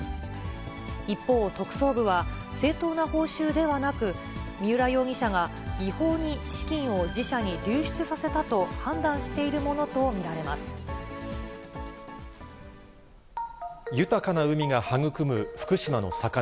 一方、特捜部は、正当な報酬ではなく、三浦容疑者が違法に資金を自社に流出させたと判断しているものと豊かな海が育む福島の魚。